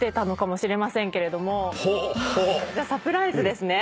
じゃあサプライズですね。